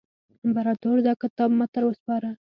امپراطور دا کتاب ماته را وسپاره.